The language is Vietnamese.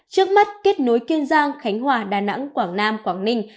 trước mắt kết nối kiên giang khánh hòa đà nẵng quảng nam quảng ninh